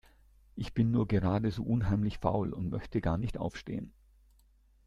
Ich bin nur gerade so unheimlich faul und möchte gar nicht aufstehen.